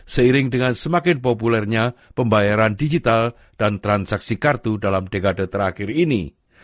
seiring dengan semakin populernya pembayaran digital dan transaksi kartu dalam dekade terakhir ini